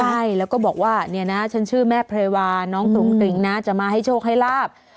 ใช่แล้วก็บอกว่าฉันชื่อแม่พระวานน้องกรุงกริงนะจะมาให้โชคให้ราบ